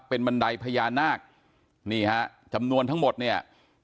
เป็นบันไดพญานาคนี่ฮะจำนวนทั้งหมดเนี่ย